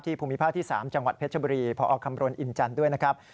ภูมิภาคที่๓จังหวัดเพชรบุรีพอคำรณอินจันทร์ด้วยนะครับ